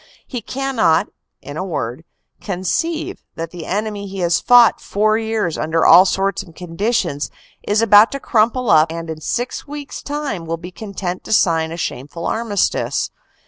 He cannot, in a word, conceive that the enemy he has fought four years under all sorts of conditions, is about to crumple up and in six weeks time will be content to sign a shameful armistice.